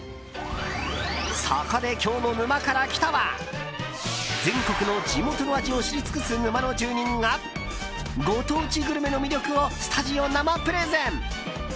そこで今日の「沼から来た。」は全国の地元の味を知り尽くす沼の住人がご当地グルメの魅力をスタジオ生プレゼン。